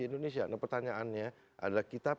indonesia nah pertanyaannya adalah kita